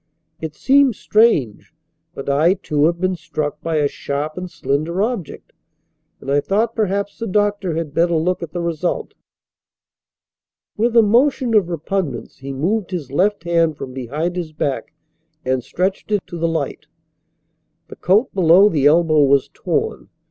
It seems strange, but I, too, have been struck by a sharp and slender object, and I thought, perhaps, the doctor had better look at the result." With a motion of repugnance he moved his left hand from behind his back and stretched it to the light. The coat below the elbow was torn.